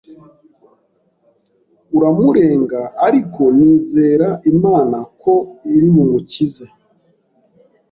uramurenga ariko nizera Imana ko iri bumukize